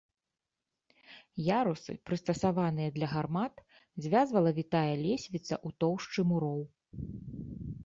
Ярусы, прыстасаваныя для гармат, звязвала вітая лесвіца ў тоўшчы муроў.